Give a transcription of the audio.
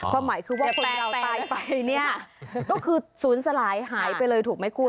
ความหมายคือว่าคนเราตายไปเนี่ยก็คือศูนย์สลายหายไปเลยถูกไหมคุณ